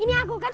ini aku kan